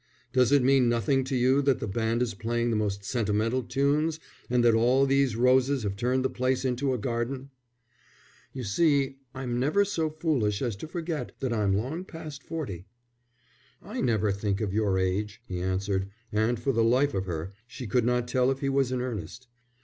Does it mean nothing to you that the band is playing the most sentimental tunes and that all these roses have turned the place into a garden?" "You see, I'm never so foolish as to forget that I'm long past forty." "I never think of your age," he answered, and for the life of her she could not tell if he was in earnest.